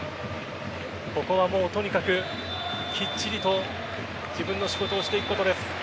ここはとにかくきっちりと自分の仕事をしていくことです。